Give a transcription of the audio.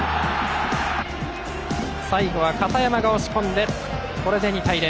最後は片山が押し込んでこれで２対０。